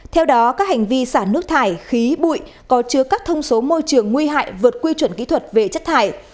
theo đó các hành vi xả nước thải khí bụi có chứa các thông số môi trường nguy hại vượt quy chuẩn kỹ thuật về chất thải